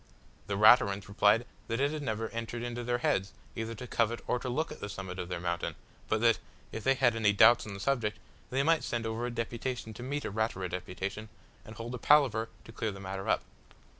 The Raturans replied that it had never entered into their heads either to covet or to look at the summit of their mountain, but that, if they had any doubts on the subject, they might send over a deputation to meet a Ratura deputation, and hold a palaver to clear the matter up.